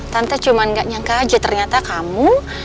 tante cuma gak nyangka aja ternyata kamu